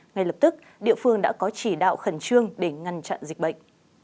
ngay lập tức địa phương đã có chỉ đạo khẩn trương để ngăn chặn dịch bệnh